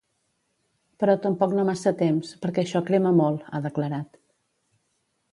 Però tampoc no massa temps, perquè això crema molt, ha declarat.